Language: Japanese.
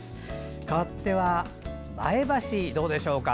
かわっては前橋、どうでしょうか。